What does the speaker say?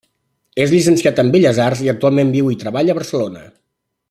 És llicenciat en Belles Arts i actualment viu i treballa a Barcelona.